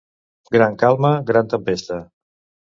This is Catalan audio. Gran calma, gran tempesta.